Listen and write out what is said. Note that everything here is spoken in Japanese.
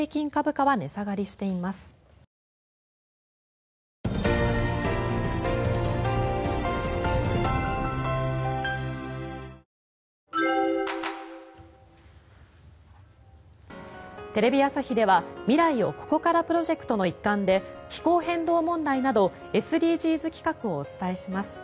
市場の広がりを見込んだ海外メーカーのテレビ朝日では未来をここからプロジェクトの一環で気候変動問題などＳＤＧｓ企画をお伝えします。